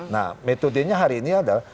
nah metodenya hari ini adalah